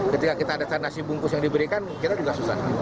ketika kita ada nasi bungkus yang diberikan kita juga susah